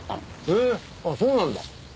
へえそうなんだ。